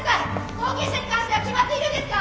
後継者に関しては決まっているんですか？